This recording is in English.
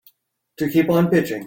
To keep on pitching.